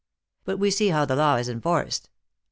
But we see how the law is enforced.